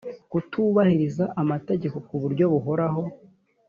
kutubahiriza amategeko ku buryo buhoraho